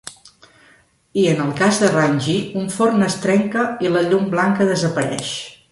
I, en el cas de Rangy, un forn es trenca i la llum blanca desapareix.